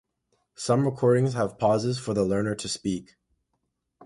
Some recordings have pauses for the learner to speak.